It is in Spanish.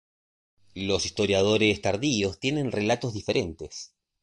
Los historiadores tardíos tienen relatos diferentes.